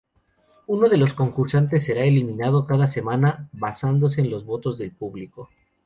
Uno de los concursantes será eliminado cada semana, basándose en los votos del público.